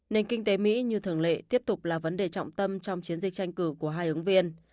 nền kinh tế mỹ như thường lệ tiếp tục là vấn đề trọng tâm trong chiến dịch tranh cử của hai ứng viên